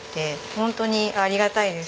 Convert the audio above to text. ホントにありがたいです。